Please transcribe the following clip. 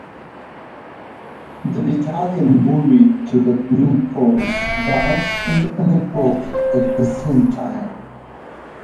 The battalion moved to Glencorse Barracks in Penicuik at the same time.